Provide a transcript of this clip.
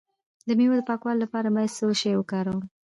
د میوو د پاکوالي لپاره باید څه شی وکاروم؟